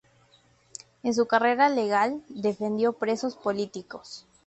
En su carrera legal, defendió presos políticos.